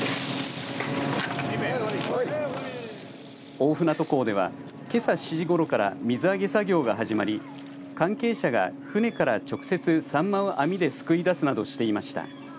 大船渡港では、けさ７時ごろから水揚げ作業が始まり関係者が船から直接サンマを網ですくい出すなどしていました。